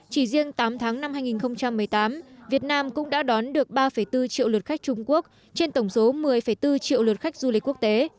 chỉ riêng tám tháng năm hai nghìn một mươi tám việt nam cũng đã đón được ba bốn triệu lượt khách trung quốc trên tổng số một mươi bốn triệu lượt khách du lịch quốc tế